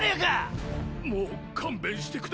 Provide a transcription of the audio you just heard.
もう勘弁してください！